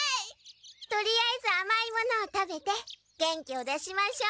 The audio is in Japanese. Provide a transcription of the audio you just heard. とりあえずあまいものを食べて元気を出しましょう。